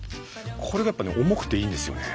これがやっぱね重くていいんですよね。